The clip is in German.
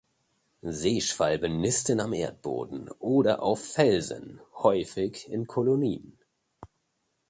Seeschwalben nisten am Erdboden oder auf Felsen, häufig in Kolonien.